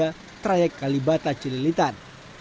untuk mengamen di kopaja trayek kalibata celilitan